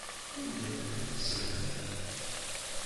Anda tella tselmadt?